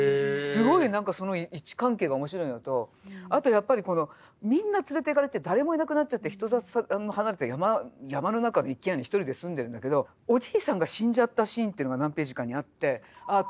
すごい何かその位置関係が面白いのとあとやっぱりこのみんな連れていかれて誰もいなくなっちゃって人里離れた山の中の一軒家にひとりで住んでるんだけどおじいさんが死んじゃったシーンっていうのが何ページかにあってああ